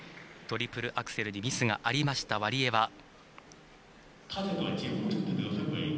トリプルアクセルにミスがありましたワリエワ。